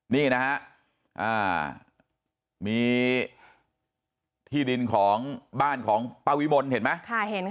นี่นะฮะมีที่ดินของบ้านของป้าวิมลเห็นไหม